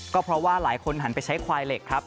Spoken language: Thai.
ก็เพราะว่าหลายคนหันไปใช้ควายเหล็กครับ